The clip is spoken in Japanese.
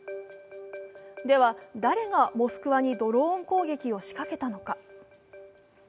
では、誰がモスクワにドローン攻撃を仕掛けたのか。